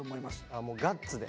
あもうガッツで？